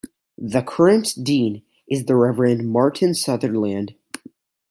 The current dean is the Revd Martin Sutherland.